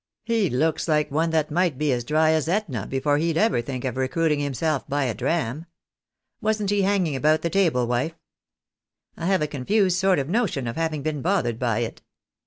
He looks like one that might be as dry as Etna before he'd ever think of recruiting himself by a dram. Wasn't he hanging about the table, wife ? I have a confused sort of notion of having been bothered by it."